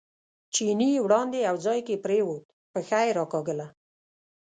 چیني وړاندې یو ځای کې پرېوت، پښه یې راکاږله.